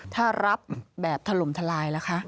ถ้ารับแบบถล่มทลายล่ะคะ